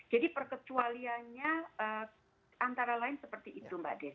jadi perkecualiannya antara lain seperti itu mbak des